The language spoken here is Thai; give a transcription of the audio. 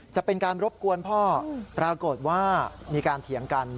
จะเป็นการรบกวนพ่อปรากฏว่ามีการเถียงกัน